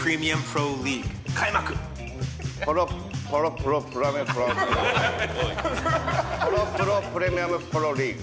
プロポロプレミアムプロリーグ。